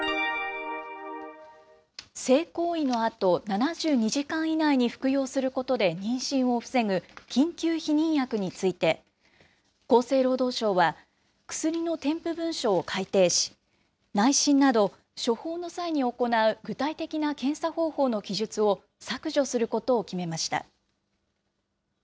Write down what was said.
性行為のあと、７２時間以内に服用することで妊娠を防ぐ、緊急避妊薬について、厚生労働省は、薬の添付文書を改訂し、内診など処方の際に行う具体的な検査方法の記述を削除することを決めました。